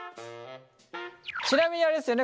ちなみにあれですよね